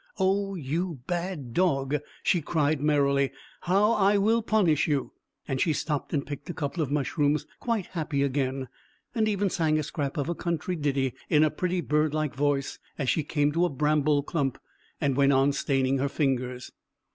"Oh, you bad dog," she cried merrily, "how I will punish you!" and she stooped and picked a couple of mushrooms, quite happy again, and even sang a scrap of a country ditty in a pretty bird like voice as she came to a bramble clump, and went on staining her fingers.